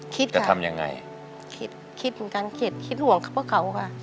คิดค่ะจะทำยังไงคิดคิดเหมือนกันคิดคิดห่วงเขาพวกเขาก่อน